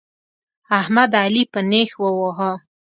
احمد؛ علي په نېښ وواهه.